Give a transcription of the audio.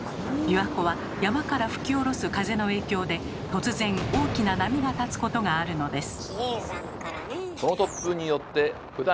琵琶湖は山から吹き降ろす風の影響で突然大きな波が立つことがあるのです。